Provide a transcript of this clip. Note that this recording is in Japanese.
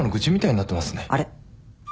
あれ？